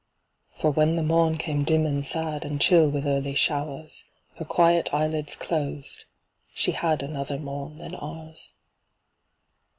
For when the morn came dim and sad, And chill with early showers, Her quiet eyelids closed she had Another morn than ours.